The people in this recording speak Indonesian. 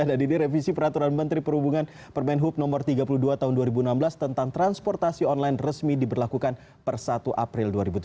dan ini revisi peraturan menteri perhubungan permain hub no tiga puluh dua tahun dua ribu enam belas tentang transportasi online resmi diberlakukan per satu april dua ribu tujuh belas